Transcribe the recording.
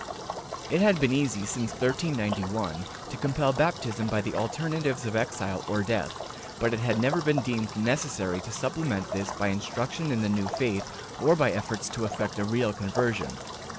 It had been easy, since 1391, to compel baptism by the alter natives of exile or death, but it had never been deemed necessary to supplement this by instruction in the new faith, or by efforts to effect a real conversion.